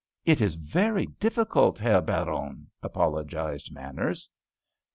"It is very difficult, Herr Baron," apologised Manners.